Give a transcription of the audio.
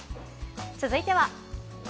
続いては。